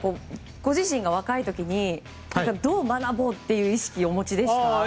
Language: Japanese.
ご自身が若い時にどう学ぼうっていう意識をお持ちでした？